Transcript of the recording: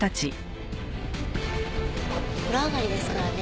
お風呂上がりですからね。